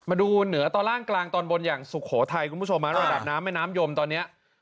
เหนือตอนล่างกลางตอนบนอย่างสุโขทัยคุณผู้ชมฮะระดับน้ำแม่น้ำยมตอนนี้